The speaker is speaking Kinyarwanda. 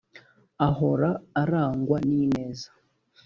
ahora arangwa n’ ineza